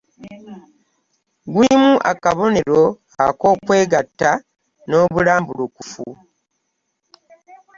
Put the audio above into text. Gulimu akabonero ak’okwegatta n’obulambulukufu.